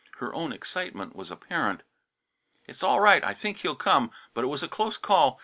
Her own excitement was apparent. "It's all right. I think he'll come, but it was a close call.